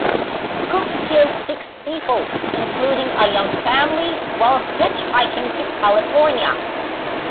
Cook killed six people, including a young family, while hitchhiking to California.